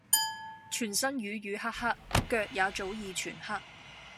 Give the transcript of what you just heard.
全身瘀瘀黑黑，腳也早已全黑